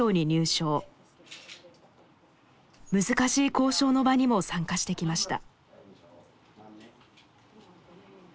難しい交渉の場にも参加してきました。